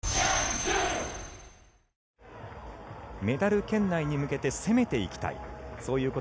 メダル圏内に向けて攻めていきたい。